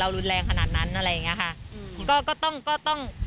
เรารุนแรงขนาดนั้นอะไรอย่างนี้ค่ะ